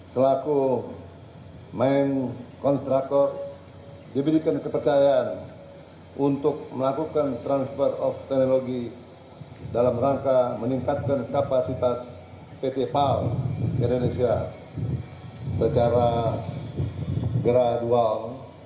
selaku main kontraktor diberikan kepercayaan untuk melakukan transfer of technology dalam rangka meningkatkan kapasitas pt pal indonesia secara gradual